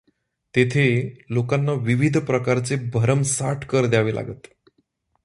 तेथे लोकांना विविध प्रकारचे भरमसाठ कर द्यावे लागत.